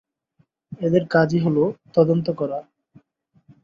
এদের কাজই হলো তদন্ত করা।